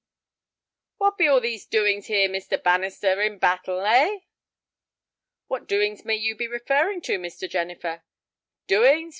"What be all these doings here, Mister Bannister, in Battle, hey?" "What doings may you be referring to, Mr. Jennifer?" "Doings!